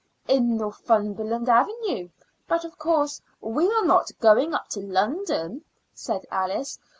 "In Northumberland Avenue. But, of course, we are not going up to London," said Alice.